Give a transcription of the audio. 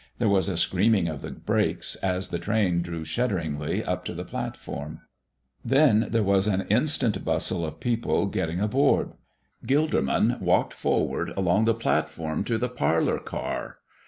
There was a screaming of the brakes as the train drew shudderingly up to the platform. Then there was an instant bustle of people getting aboard. Gilderman walked forward along the platform to the parlor car.